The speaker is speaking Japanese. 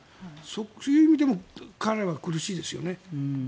そういう意味でも彼は苦しいですよね。